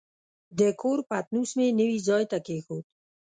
د کور پتنوس مې نوي ځای ته کېښود.